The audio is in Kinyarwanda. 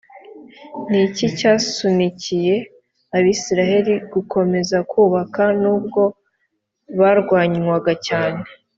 ni iki cyasunikiye abisirayeli gukomeza kubaka n ubwo barwanywaga cyane